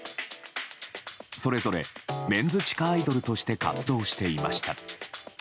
それぞれメンズ地下アイドルとして活動していました。